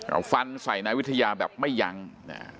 เอาฟันใส่นายวิทยาแบบไม่ยั้งอ่า